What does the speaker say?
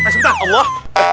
hei sebentar allah